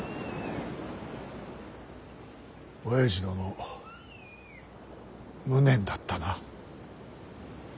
おやじ殿無念だったな。